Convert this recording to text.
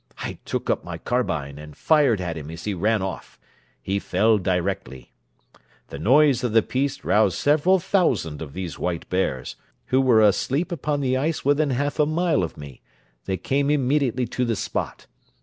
I took up my carbine and fired at him as he ran off; he fell directly. The noise of the piece roused several thousand of these white bears, who were asleep upon the ice within half a mile of me; they came immediately to the spot.